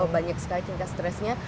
banyak sekali tingkat stresnya